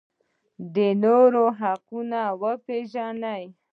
د نورو حقوق وپیژنئ